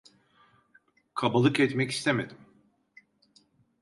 Kabalık etmek istemedim.